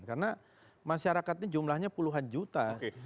karena masyarakatnya jumlahnya puluhan juta